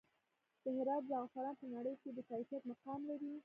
د هرات زعفران په نړۍ کې د کیفیت مقام لري